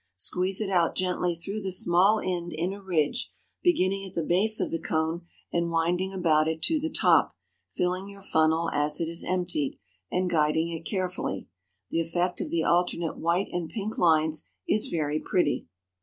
Squeeze it out gently through the small end in a ridge, beginning at the base of the cone and winding about it to the top, filling your funnel as it is emptied, and guiding it carefully. The effect of the alternate white and pink lines is very pretty.